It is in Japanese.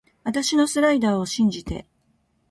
あたしのスライダーを信じて